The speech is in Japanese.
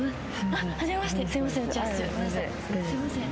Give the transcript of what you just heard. すいません。